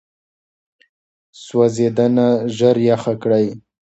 سوځېدنه ژر یخه کړئ.